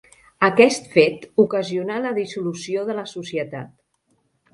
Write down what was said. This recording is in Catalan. Aquest fet ocasionà la dissolució de la societat.